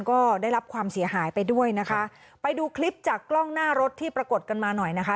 ก็ได้รับความเสียหายไปด้วยนะคะไปดูคลิปจากกล้องหน้ารถที่ปรากฏกันมาหน่อยนะคะ